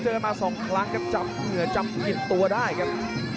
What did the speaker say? เจอกันมา๒ครั้งก็กลับเงื่อจำกลิ่นตัวได้ครับ